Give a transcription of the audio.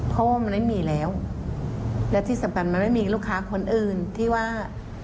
เพราะว่ามันไม่มีแล้วและที่สำคัญมันไม่มีลูกค้าคนอื่นที่ว่า